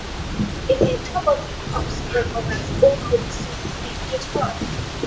In the "Top of the Pops" performance, Bono is seen playing guitar.